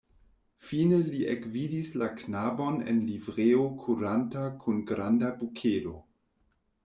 Fine li ekvidis la knabon en livreo kuranta kun granda bukedo.